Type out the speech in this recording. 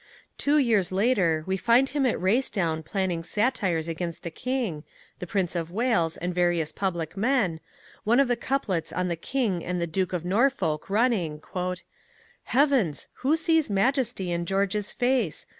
Two years later we, find him at Racedown planning satires against the King, the Prince of Wales, and various public men, one of the couplets on the King and the Duke of Norfolk running: Heavens! who sees majesty in George's face?